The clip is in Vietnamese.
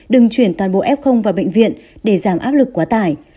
đừng chuyển toàn bộ f vào bệnh viện để giảm áp lực quá tải